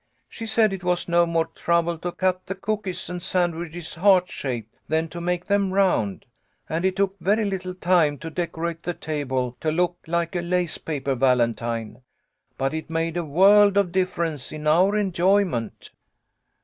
She said it was no more trouble to cut the cookies and sandwiches heart shaped than to make them round, and it took very little time to decorate the table to look like a lace paper valentine, but it made a world of difference in our enjoyment.